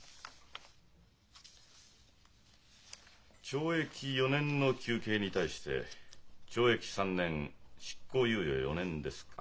懲役４年の求刑に対して懲役３年執行猶予４年ですか。